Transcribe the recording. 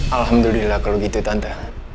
alhamdulillah kalau gitu tante